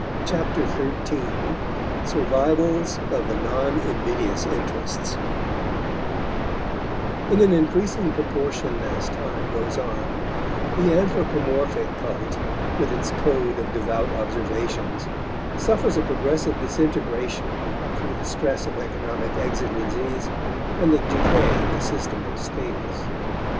Chapter Thirteen ~~ Survivals of the Non Invidious Interests In an increasing proportion as time goes on, the anthropomorphic cult, with its code of devout observations, suffers a progressive disintegration through the stress of economic exigencies and the decay of the system of status.